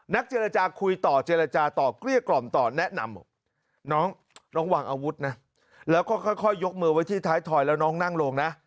เจรจาคุยต่อเจรจาต่อเกลี้ยกล่อมต่อแนะนำน้องวางอาวุธนะแล้วก็ค่อยยกมือไว้ที่ท้ายถอยแล้วน้องนั่งลงนะ